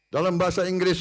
dalam bahasa inggris